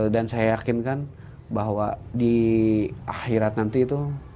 dan saya yakinkan bahwa di akhirat nanti itu